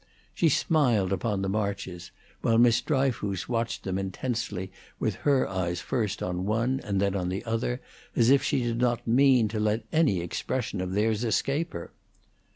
She smiled upon the Marches, while Miss Dryfoos watched them intensely, with her eyes first on one and then on the other, as if she did not mean to let any expression of theirs escape her.